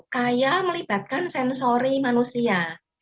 kayak melibatkan sensory manusia